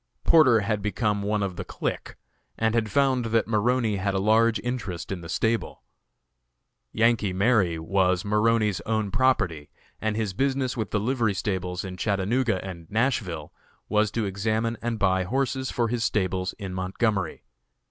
Porter had become one of the clique, and found that Maroney had a large interest in the stable. "Yankee Mary" was Maroney's own property, and his business with the livery stables in Chattanooga and Nashville was to examine and buy horses for his stables in Montgomery.